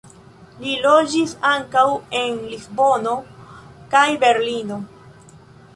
Li loĝis ankaŭ en Lisbono kaj Berlino.